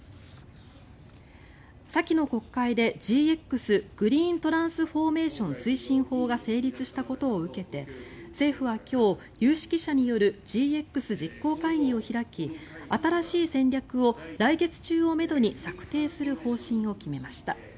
先の国会でＧＸ・グリーントランスフォーメーション推進法が成立したことを受けて政府は今日有識者によるＧＸ実行会議を開き新しい戦略を来月中をめどに策定する方針を決めました。